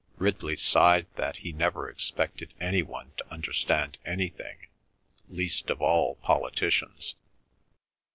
Ridley sighed that he never expected any one to understand anything, least of all politicians.